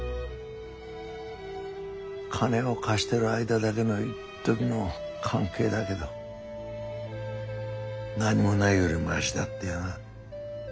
金を貸してる間だけのいっときの関係だけど何もないよりマシだってな。